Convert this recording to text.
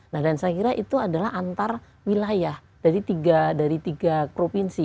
nah dan saya kira itu adalah antar wilayah dari tiga provinsi